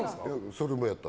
それもやった。